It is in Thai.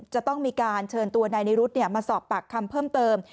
จะต้องมีการเชิญตัวนายนิรุธมาสอบปากคำเพิ่มเติม